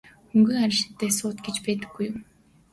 Хөнгөн араншинтай суут гэж байдаггүй юм.